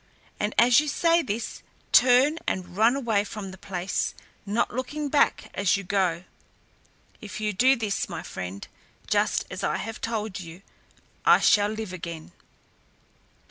and as you say this, turn and run away from the place, not looking back as you go. If you do this, my friend, just as I have told you, I shall live again."